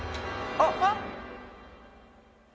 あっ。